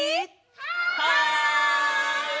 はい！